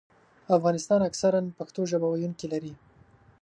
افغانستان اکثراً پښتو ژبه ویونکي لري.